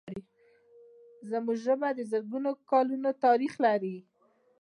زموږ ژبه د زرګونو کلونو تاریخ لري.